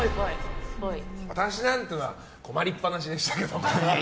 私なんて困りっぱなしでしたけど。